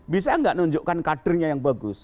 bisa gak menunjukkan kadernya yang bagus